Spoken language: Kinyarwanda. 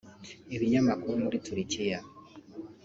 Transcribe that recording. Ibinyamakuru muri Turikiya